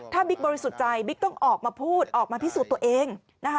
ถ้าบิ๊กบริสุทธิ์ใจบิ๊กต้องออกมาพูดออกมาพิสูจน์ตัวเองนะคะ